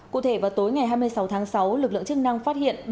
cụ thể vào tối ngày hai mươi sáu tháng sáu lực lượng chức năng phát hiện